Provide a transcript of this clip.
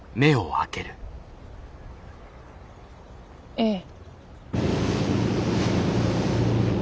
ええ。